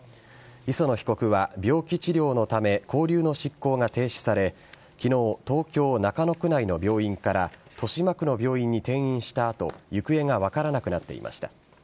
磯野被告は病気治療のため勾留の執行が停止され昨日、東京・中野区内の病院から豊島区の病院に転院した後行方が分からなくなっていました。